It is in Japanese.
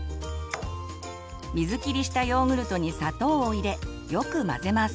水切りしたヨーグルトに砂糖を入れよく混ぜます。